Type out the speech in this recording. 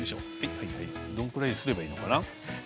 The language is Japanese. どのぐらいすればいいのかな？